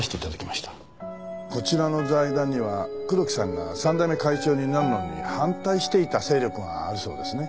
こちらの財団には黒木さんが３代目会長になるのに反対していた勢力があるそうですね。